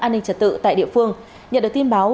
an ninh trật tự tại địa phương nhận được tin báo